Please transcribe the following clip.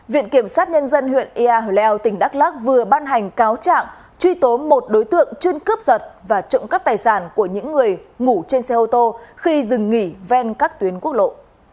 viện kiểm sát nhân dân huyện iao tỉnh đắk lắc vừa ban hành cáo trạng truy tố một đối tượng chuyên cướp giật và trộm cắp tài sản của những người ngủ trên xe ô tô khi dừng nghỉ ven các tuyến quốc lộ